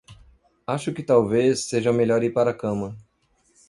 Acho que talvez seja melhor ir para a cama.